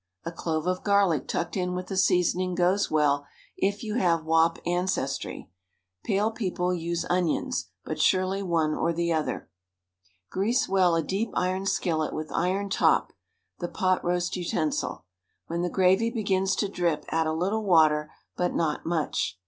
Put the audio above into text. A clove of garlic tucked in with the seasoning goes well, if you have Wop ancestry. Pale people use onions. But surely one or the other. Grease well a deep iron skillet with iron top, the pot roast utensil. When the gravy begins to drip add a little water, but not much.